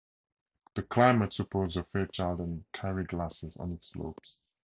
This climate supports the Fairchild and Carrie Glaciers on its slopes.